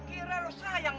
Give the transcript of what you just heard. ternyata lo sakitin cucu gue